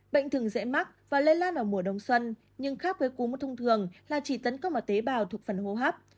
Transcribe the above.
bệnh thường dễ mắc và lây lan ở mùa đông xuân nhưng khác với cúm thông thường là chỉ tấn công ở tế bào thuộc phần hô hấp